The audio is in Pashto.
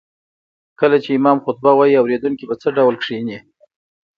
کله چې امام خطبه وايي اوريدونکي به څه ډول کيني